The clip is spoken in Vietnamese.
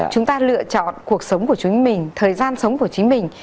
chúng ta lựa chọn cuộc sống của chính mình thời gian sống của chính mình